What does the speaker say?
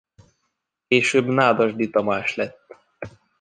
Később Nádasdy Tamás lett.